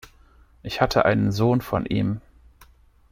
Ich hatte einen Sohn von ihm.